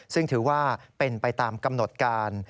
ซึ่งถือว่าเป็นไปตามกำหนดการ